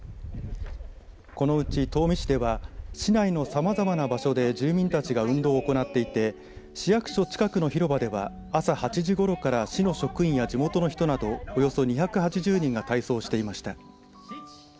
このうち東御市では市内のさまざまな場所で住民たちが運動を行っていて市役所近くの広場では朝８時ごろから市の職員や地元の人などおよそ２８０人が体操をしていました。